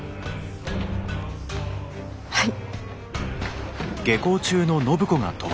はい。